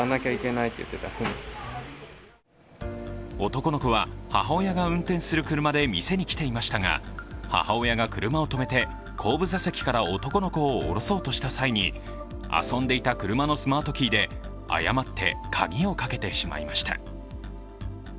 男の子は母親が運転する車で店に来ていましたが、母親が車を止めて、後部座席から男の子を降ろそうとした際に遊んでいた車のスマートキーで誤って鍵をかけてしまいました。